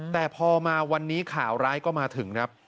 แต่พอมาวันนี้ข่าวร้ายก็มาถึงครับ